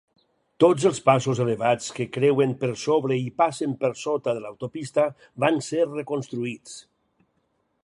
Tots els passos elevats que creuen per sobre i passen per sota de l'autopista van ser reconstruïts.